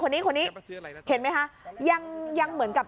คนนี้คนนี้เห็นไหมฮะ